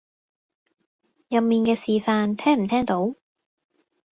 入面嘅示範聽唔聽到？